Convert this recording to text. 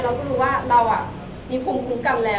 เราก็รู้ว่าเรามีภูมิคุ้มกันแล้ว